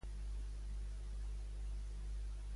Què és el passa al seu voltant?